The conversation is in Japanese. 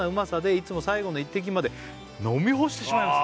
「いつも最後の一滴まで飲み干してしまいます」